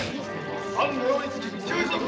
藩御用につき道を急ぐ。